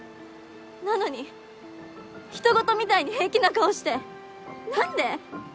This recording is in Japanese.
なのに人ごとみたいに平気な顔して何で？